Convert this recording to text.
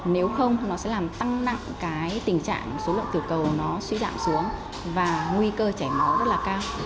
nếu không nó sẽ làm tăng nặng cái tình trạng số lượng tiểu cầu nó suy giảm xuống và nguy cơ chảy máu rất là cao